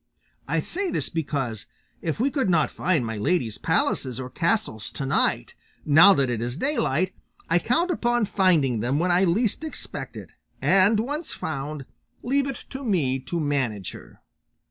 I say this because, if we could not find my lady's palaces or castles to night, now that it is daylight I count upon finding them when I least expect it, and once found, leave it to me to manage her."